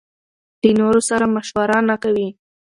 له نورو سره مشوره نکوي.